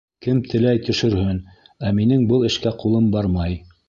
Кем теләй, төшөрһөн, ә минең был эшкә ҡулым бармай.